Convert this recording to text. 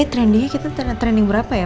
ini trendingnya kita trending berapa ya